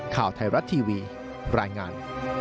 ข่าวไทยรัฐทีวีรายงาน